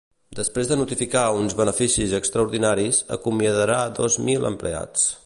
Després de notificar uns beneficis extraordinaris, acomiadarà dos mil empleats.